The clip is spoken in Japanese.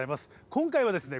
今回はですね